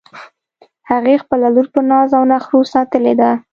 هغې خپله لور په ناز او نخروساتلی ده